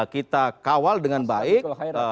kita kawal dengan baik